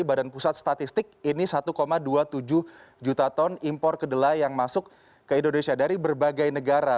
badan pusat statistik ini satu dua puluh tujuh juta ton impor kedelai yang masuk ke indonesia dari berbagai negara